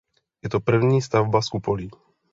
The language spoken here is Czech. Je to první stavba s kupolí.